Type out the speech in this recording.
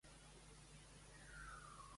Crea una llista amb pel·lícules de terror.